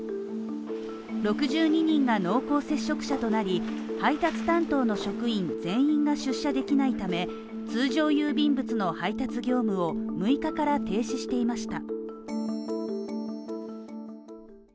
６２人が濃厚接触者となり配達担当の職員全員が出社できないため通常郵便物の配達業務を６日から停止していました。